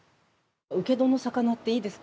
請戸の魚って、いいですか？